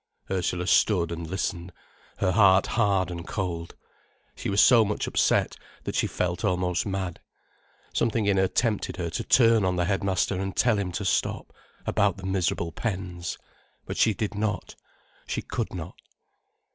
Ursula stood and listened, her heart hard and cold. She was so much upset, that she felt almost mad. Something in her tempted her to turn on the headmaster and tell him to stop, about the miserable pens. But she did not. She could not.